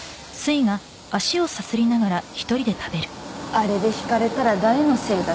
あれでひかれたら誰のせいだ